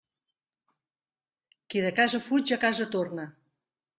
Qui de casa fuig, a casa torne.